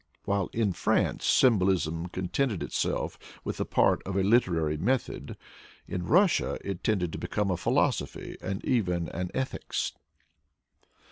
While in France symbolism contented itself with the part of a literary method, in Russia it tended to become a philosophy and even an ethics.